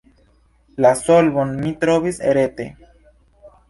La solvon mi trovis rete.